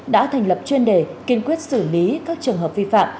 đã thành lập chuyên đề kiên quyết xử lý các trường hợp vi phạm